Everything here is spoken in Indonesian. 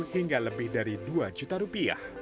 hingga lebih dari rp dua